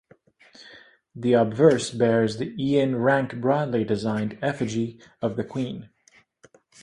The obverse bears the Ian Rank-Broadley designed effigy of The Queen.